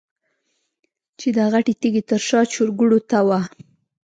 چې د غټې تيږې تر شا چرګوړو ته وه.